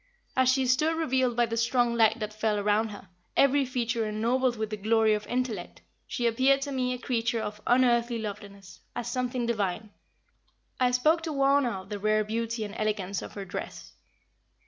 As she stood revealed by the strong light that fell around her, every feature ennobled with the glory of intellect, she appeared to me a creature of unearthly loveliness, as something divine. I spoke to Wauna of the rare beauty and elegance of her dress.